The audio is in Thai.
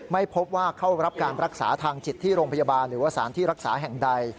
ไม่พบว่าเข้ารับการรักษาทางจิตที่โรงพยาบาลหรือว่าสารที่รักษาแห่งใด